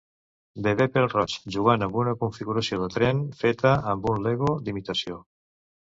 Bebè pèl-roig jugant amb una configuració de tren feta amb un Lego d'imitació.